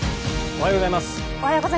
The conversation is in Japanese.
おはようございます。